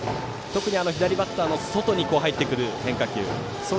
特に左バッターの外に入ってくる変化球。